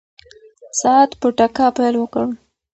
ساعت په ټکا پیل وکړ.